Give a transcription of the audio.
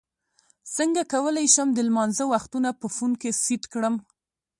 څنګه کولی شم د لمانځه وختونه په فون کې سیټ کړم